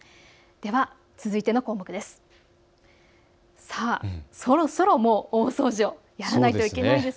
では続いての項目です。